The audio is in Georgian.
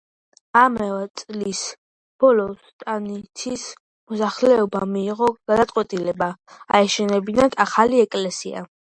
ამავე წლის ბოლოს სტანიცის მოსახლეობამ მიიღო გადაწყვეტილება აეშენებინათ ახალი ეკლესია.